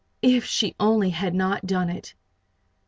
If she only had not done it!